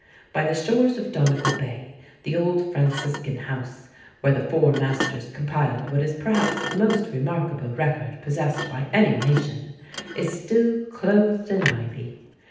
By the shores of Donegal Bay the old Franciscan house, where the Four Masters compiled what is perhaps the most remarkable record possessed by any nation, is still clothed in ivy.